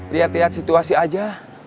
liat liat situasi aja